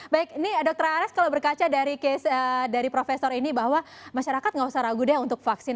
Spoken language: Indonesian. baik ini dokter ares kalau berkaca dari case dari profesor ini bahwa masyarakat nggak usah ragu deh untuk vaksin